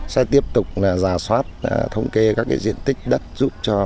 sẽ tiếp tục là rà soát thống kê các cái diện tích đất giúp cho